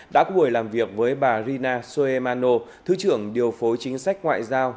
đã có buổi làm việc với bà rina soe mano thứ trưởng điều phối chính sách ngoại giao